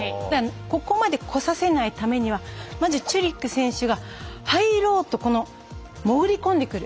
ここまで来させないためにはまず、チェリック選手が入ろうと潜り込んでくる。